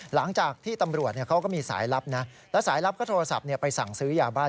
หลังจากที่ตำรวจเขาก็มีสายลับนะแล้วสายลับก็โทรศัพท์ไปสั่งซื้อยาบ้า